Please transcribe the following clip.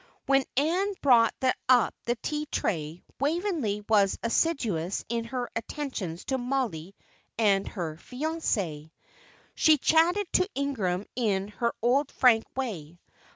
When Ann brought up the tea tray Waveney was assiduous in her attentions to Mollie and her fiancé. She chatted to Ingram in her old frank way.